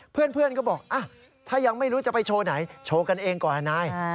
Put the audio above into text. เพื่อนก็บอกถ้ายังไม่รู้จะไปโชว์ไหนโชว์กันเองก่อนนาย